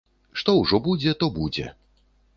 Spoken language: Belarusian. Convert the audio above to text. Што ўжо будзе, то будзе!